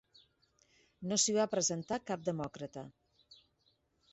No s'hi va presentar cap demòcrata.